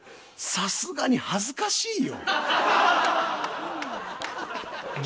さすがに恥ずかしいよ。